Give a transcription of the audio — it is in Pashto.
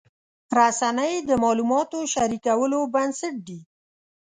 رسنۍ د معلوماتو شریکولو بنسټ دي.